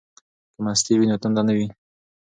که مستې وي نو تنده نه وي.